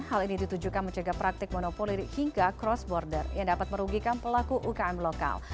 hal ini ditujukan mencegah praktik monopoliri hingga cross border yang dapat merugikan pelaku ukm lokal